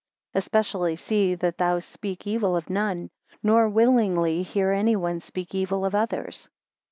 2 Especially see that thou speak evil of none, nor willingly hear any one speak evil of others.